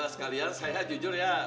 sekalian saya jujur ya